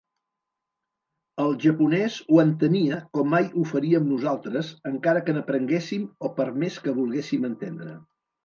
El japonès ho entenia com mai ho faríem nosaltres encara que n'aprenguéssim o per més que volguéssim entendre.